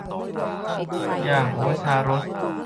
อย่างโอชารส